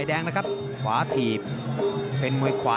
ครับครับครับครับครับครับครับ